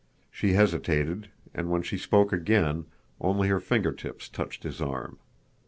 She hesitated, and when she spoke again, only her finger tips touched his arm.